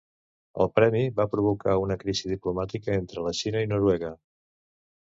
El premi va provocar una crisi diplomàtica entre la Xina i Noruega.